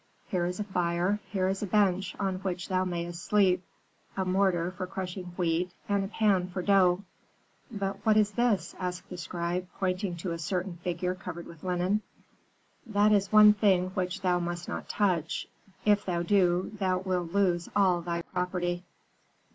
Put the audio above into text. Here is a fire, here a bench on which thou mayst sleep, a mortar for crushing wheat, and a pan for dough.' "'But what is this?' asked the scribe, pointing to a certain figure covered with linen. "'That is one thing which thou must not touch; if thou do, thou wilt lose all thy property.'